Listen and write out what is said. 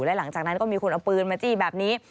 และหลังจากนั้นก็มีคนเอาปืนมาจี้แบบนี้